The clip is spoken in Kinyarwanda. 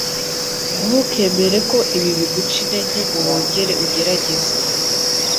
Ntukemere ko ibi biguca intege ngo wongere ugerageze.